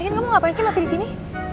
lagi kamu ngapain sih masih disini